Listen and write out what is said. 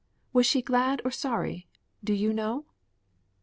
Was she glad or sorry? Do you know?"